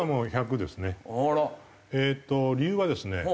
えっと理由はですね